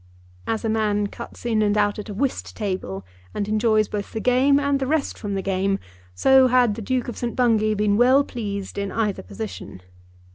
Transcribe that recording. As a man cuts in and out at a whist table, and enjoys both the game and the rest from the game, so had the Duke of St. Bungay been well pleased in either position.